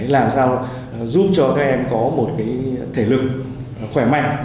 làm sao giúp cho các em có một thể lực khỏe mạnh